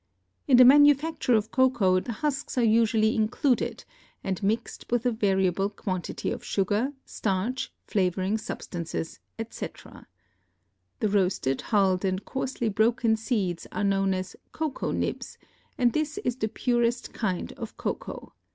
In the manufacture of cocoa the husks are usually included and mixed with a variable quantity of sugar, starch, flavoring substances, etc. The roasted, hulled and coarsely broken seeds are known as cocoa nibs, and this is the purest kind of cocoa.